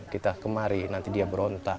kita kemari nanti dia berontak